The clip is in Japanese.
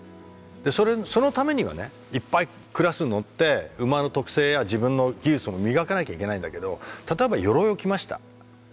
でそのためにはねいっぱい鞍数乗って馬の特性や自分の技術も磨かなきゃいけないんだけど例えば鎧を着ました。